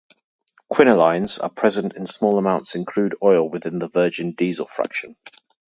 Quinolines are present in small amounts in crude oil within the virgin diesel fraction.